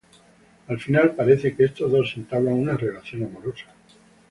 Al final parece que estos dos entablan una relación amorosa.